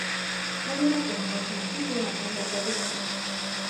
Հեղինակ է մենեջմենտի բուհական դասագրքի։